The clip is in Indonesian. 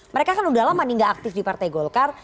mereka kan udah lama nih gak aktif di partai golkar